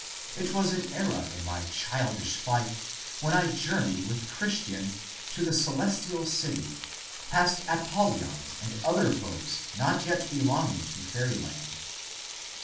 It was an era in my childish life when I journeyed witii Christian to the Celestial City, past ApoUyon and other foes not yet belonging to Fairy land.